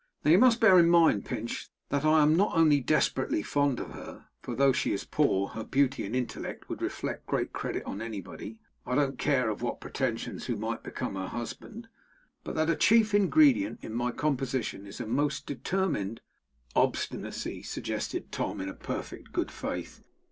Now you must bear in mind, Pinch, that I am not only desperately fond of her (for though she is poor, her beauty and intellect would reflect great credit on anybody, I don't care of what pretensions who might become her husband), but that a chief ingredient in my composition is a most determined ' 'Obstinacy,' suggested Tom in perfect good faith.